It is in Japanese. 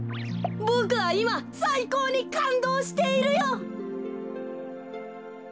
ボクはいまさいこうにかんどうしているよ！